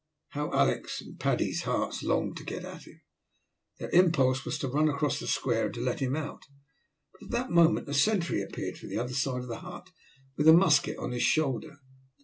How Alick's and Paddy's hearts longed to get at him! Their impulse was to run across the square and to let him out, but at that moment a sentry appeared from the other side of the hut with a musket on his shoulder.